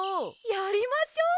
やりましょう！